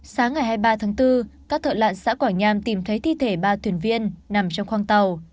sáng ngày hai mươi ba tháng bốn các thợ lạn xã quảng nham tìm thấy thi thể ba thuyền viên nằm trong khoang tàu